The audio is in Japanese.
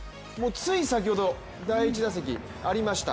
つい先ほど、第１打席ありました。